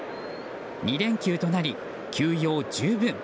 ２連休となり休養十分。